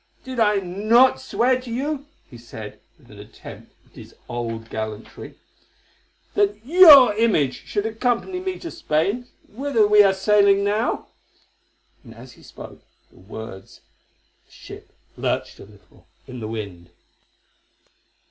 Did I not swear to you," he said with an attempt at his old gallantry, "that your image should accompany me to Spain, whither we are sailing now?" And as he spoke the words the ship lurched a little in the wind.